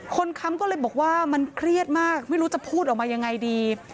ค้ำก็เลยบอกว่ามันเครียดมากไม่รู้จะพูดออกมายังไงดี